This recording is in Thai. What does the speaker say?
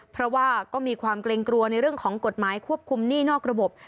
เพราะว่าก็มีความเกรงกลัวในเรื่องของกฎหมายควบคุมหนี้นอกระบบ